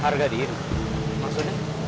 harga diri maksudnya